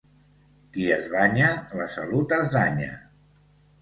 Qui es banya la salut es danya.